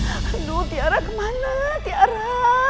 aduh tiara kemana tiara